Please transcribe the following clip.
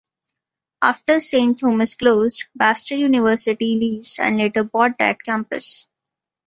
After Saint Thomas closed, Bastyr University leased and later bought that campus.